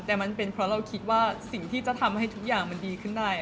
แต่มันเป็นเพราะเราคิดว่าสิ่งที่จะทำให้ทุกอย่างมันดีขึ้นได้